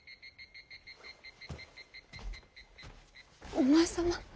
お前様。